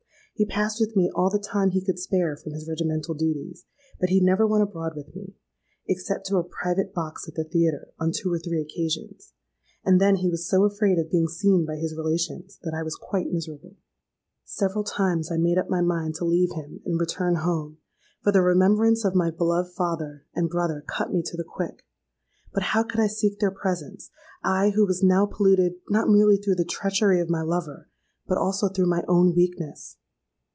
He passed with me all the time he could spare from his regimental duties; but he never went abroad with me—except to a private box at the theatre on two or three occasions; and then he was so afraid of being seen by his relations, that I was quite miserable. "Several times I made up mind to leave him and return home; for the remembrance of my beloved father and brother cut me to the quick. But how could I seek their presence,—I who was now polluted not merely through the treachery of my lover, but also through my own weakness!